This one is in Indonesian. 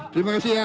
terima kasih ya